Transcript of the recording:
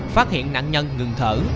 phát hiện nạn nhân ngừng thở